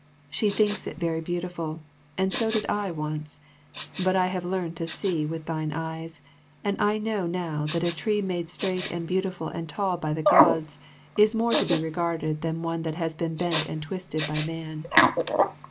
She thinks it very beautiful, and so I did once; but I have learned to see with thine eyes, and I know now that a tree made straight and beautiful and tall by the Gods is more to be regarded than one that has been bent and twisted by man.